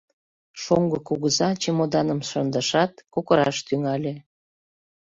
Шоҥго кугыза чемоданым шындышат, кокыраш тӱҥале.